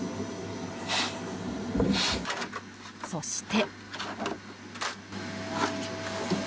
そして。